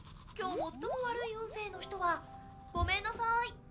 今日最も悪い運勢の人はごめんなさい